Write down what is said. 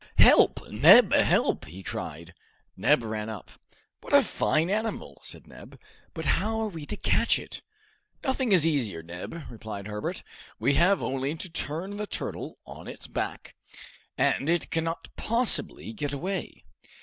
"Help, Neb, help!" he cried. Neb ran up. "What a fine animal!" said Neb; "but how are we to catch it?" "Nothing is easier, Neb," replied Herbert. "We have only to turn the turtle on its back, and it cannot possibly get away.